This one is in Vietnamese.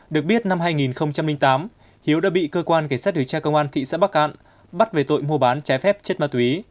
được biết năm hai nghìn tám hiếu đã bị cơ quan cảnh sát điều tra công an thị xã bắc cạn bắt về tội mua bán trái phép chất ma túy